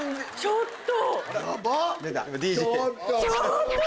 「ちょっと！」。